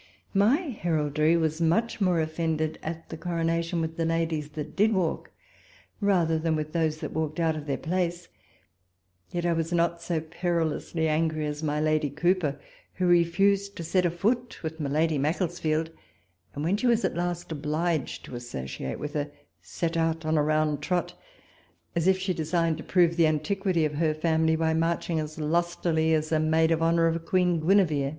My heraldry was much more offended at the Coronation with the ladies that did walk, than with those that walked out of their place ; yet I was not so jttrilousUi angry as my Lady Cowper, who refused to set a foot with mj' Lady Maccles field ; and when she was at last obliged to as sociate with her, set out on a round trot, as if she designed to prove the antiquity of her family by marching as lustily as a maid of honour of Queen Gwiniver.